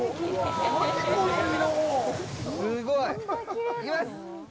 すごい。行きます！